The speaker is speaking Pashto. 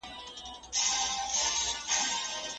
ته به مي د لیک په تمه سره اهاړ ته منډه کې